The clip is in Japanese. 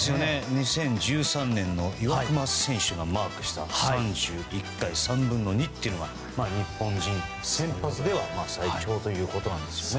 ２０１３年の岩隈選手がマークした３１回３分の２というのが日本人先発では最長ということなんですね。